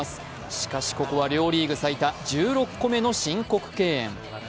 しかし、ここは両リーグ最多１６個目の申告敬遠。